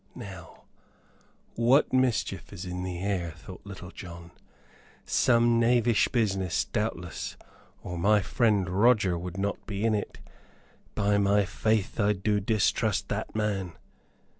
"Now, what mischief is in the air?" thought Little John. "Some knavish business doubtless, or my friend Roger would not be in it. By my faith, I do mistrust that man."